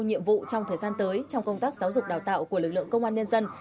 nhiệm vụ trong thời gian tới trong công tác giáo dục đào tạo của lực lượng công an nhân dân